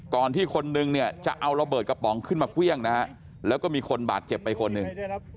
ที่คนนึงเนี่ยจะเอาระเบิดกระป๋องขึ้นมาเครื่องนะฮะแล้วก็มีคนบาดเจ็บไปคนหนึ่ง